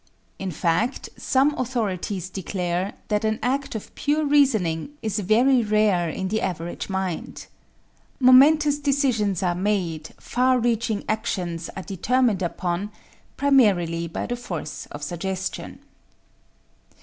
In fact, some authorities declare that an act of pure reasoning is very rare in the average mind. Momentous decisions are made, far reaching actions are determined upon, primarily by the force of suggestion.